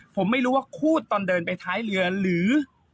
ผมไม่รู้ว่าคู่ตอนเดินไปท้ายเรือหรือ